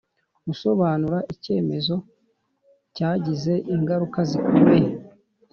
gusobanura icyemezo cyagize ingaruka zikomeye